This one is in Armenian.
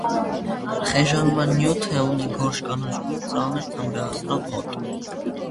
Խեժանման նյութ է, ունի գորշ կանաչ գույն, ծանր, թմրեցնող հոտ։